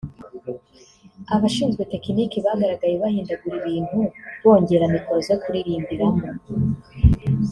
Abashinzwe tekiniki bagaragaye bahindagura ibintu bongera mikoro zo kuririmbiramo